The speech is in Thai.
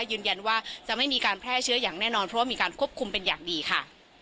ยืนยันว่าจะไม่มีการแพร่เชื้ออย่างแน่นอนเพราะว่ามีการควบคุมเป็นอย่างดีค่ะ